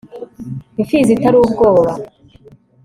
Imfizi itari ubwoba